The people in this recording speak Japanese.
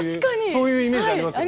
そういうイメージありますよね。